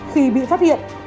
khi bị phát hiện